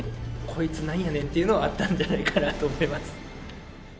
こいつ、なんやねんっていうのはあったんじゃないかなと思います。